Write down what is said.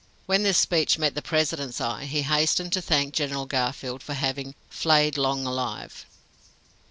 When this speech met the President's eye, he hastened to thank General Garfield for having "flayed Long alive."